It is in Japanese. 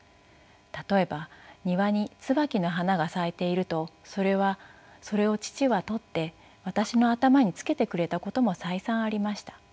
例えば庭に椿の花が咲いているとそれを父は採って私の頭につけてくれたことも再三ありました。